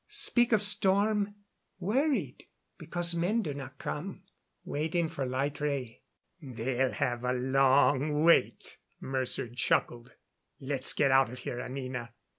Speak of storm. Worried because men do not come. Waiting for light ray." "They'll have a long wait," Mercer chuckled. "Let's get out of here, Anina."